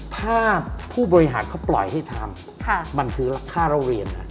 ถ้าผู้บริหารเขาปล่อยให้ทำมันคือค่าเล่าเรียน